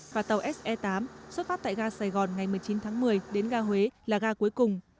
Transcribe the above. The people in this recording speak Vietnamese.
và tàu se tám xuất phát tại ga sài gòn ngày một mươi chín tháng một mươi đến ga huế là ga cuối cùng